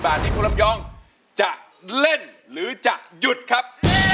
มาใส่มัวกแก๊ปลำเบิดกุบ